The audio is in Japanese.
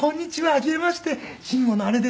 はじめまして慎吾の姉です」